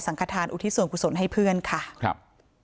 สังคทานอุทิสวรรคุณส่วนให้เพื่อนค่ะครับ